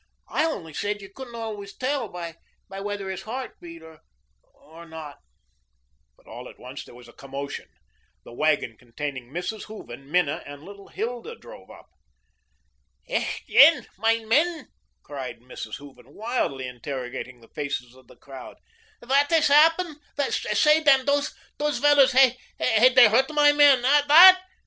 "I only said you couldn't always tell by whether his heart beat or not." But all at once there was a commotion. The wagon containing Mrs. Hooven, Minna, and little Hilda drove up. "Eh, den, my men," cried Mrs. Hooven, wildly interrogating the faces of the crowd. "Whadt has happun? Sey, den, dose vellers, hev dey hurdt my men, eh, whadt?"